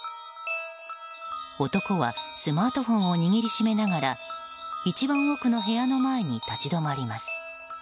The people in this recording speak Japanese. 男はスマートフォンを握り締めながら一番奥の部屋の前に立ち止まります。